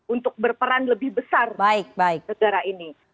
untuk berperan lebih besar negara ini